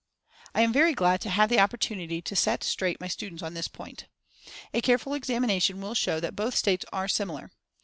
I am very glad to have the opportunity to "set straight" my students on this point. A little careful examination will show that both states are similar.